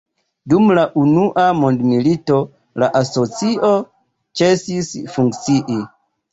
Dum la Unua Mondmilito la Asocio ĉesis funkcii.